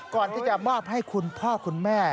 ก่อนที่จะมอบให้คุณพ่อคุณแม่